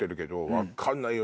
分かんないよ